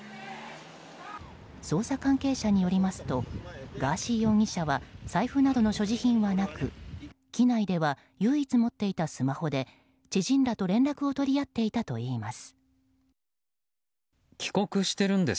捜査関係者によりますとガーシー容疑者は財布などの所持品はなく機内では唯一持っていたスマホで知人らと連絡を取り合っていたということです。